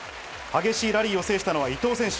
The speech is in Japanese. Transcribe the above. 激しいラリーを制したのは伊藤選手。